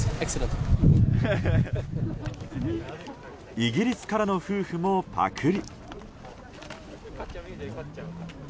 イギリスからの夫婦もぱくり。